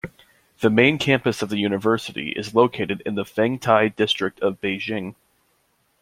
The main campus of the university is located in the Fengtai District of Beijing.